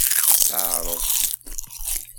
Teɛreḍ.